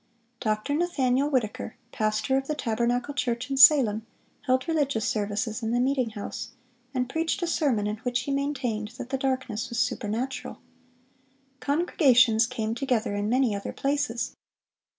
"Dr. Nathanael Whittaker, pastor of the Tabernacle church in Salem, held religious services in the meeting house, and preached a sermon in which he maintained that the darkness was supernatural. Congregations came together in many other places.